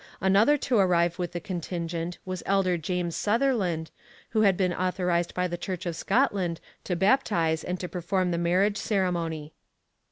Another to arrive with the contingent was Elder James Sutherland, who had been authorized by the Church of Scotland to baptize and to perform the marriage ceremony.